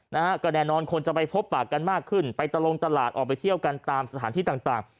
นะฮะก็แน่นอนคนจะไปพบปากกันมากขึ้นไปตะลงตลาดออกไปเที่ยวกันตามสถานที่ต่างต่าง